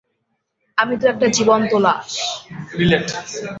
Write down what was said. আমি তো একটা জীবন্ত লাশ।